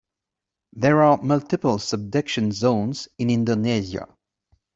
There are multiple subduction zones in Indonesia.